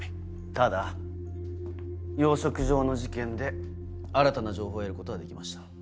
ただ養殖場の事件で新たな情報を得ることができました。